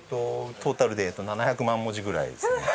トータルでいうと７００万文字ぐらいですね。